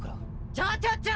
ちょちょちょ！